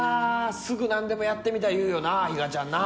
すぐ何でもやってみたい言うよな比嘉ちゃんな。